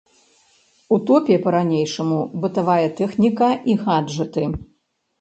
У топе па-ранейшаму бытавая тэхніка і гаджэты.